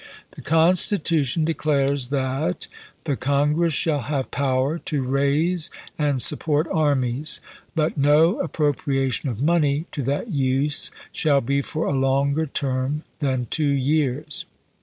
The Constitu tion declares that i The Congress shall have power ... to raise and support armies ; but no appro priation of money to that use shall be for a longer term than two years.'